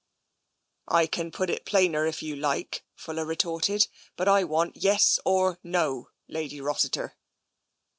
" I can put it plainer if you like," Fuller retorted. " But I want yes or no, Lady Rossiter."